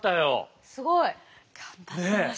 すごい。頑張ってました。